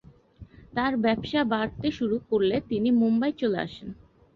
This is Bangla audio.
তার ব্যবসা বাড়তে শুরু করলে তিনি মুম্বাই চলে আসেন।